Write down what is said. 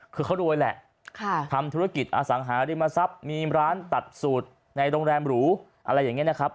คือเขารวยแหละทำธุรกิจอสังหาริมทรัพย์มีร้านตัดสูตรในโรงแรมหรูอะไรอย่างนี้นะครับ